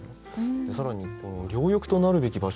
更に「両翼となるべき場所」